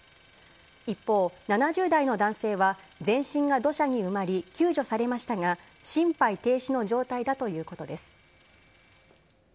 一方、７０代の男性は全身が土砂に埋まり、救助されましたが、心肺停止の状態だということです。